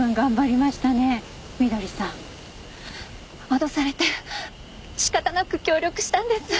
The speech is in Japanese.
脅されて仕方なく協力したんです。